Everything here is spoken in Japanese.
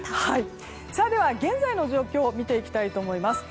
では、現在の状況を見ていきたいと思います。